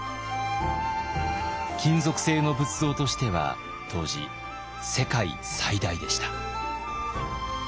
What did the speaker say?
金属製の仏像としては当時世界最大でした。